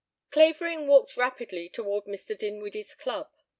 XVI Clavering walked rapidly toward Mr. Dinwiddie's club.